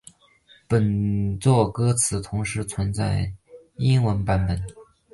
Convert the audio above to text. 本作歌词同时存在英文版本。